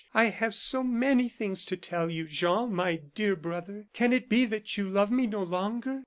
I have so many things to tell you! Jean, my dear brother, can it be that you love me no longer?"